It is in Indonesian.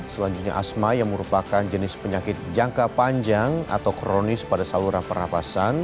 selanjutnya asma yang merupakan jenis penyakit jangka panjang atau kronis pada saluran pernafasan